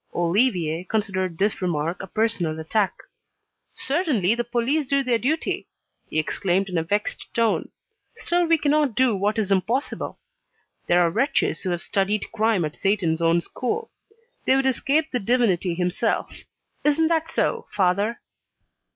Olivier considered this remark a personal attack. "Certainly the police do their duty," he exclaimed in a vexed tone. "Still we cannot do what is impossible. There are wretches who have studied crime at Satan's own school; they would escape the Divinity Himself. Isn't that so, father?"